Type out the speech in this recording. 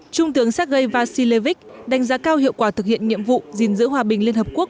trung tướng sergei vasilevich đánh giá cao hiệu quả thực hiện nhiệm vụ gìn giữ hòa bình liên hợp quốc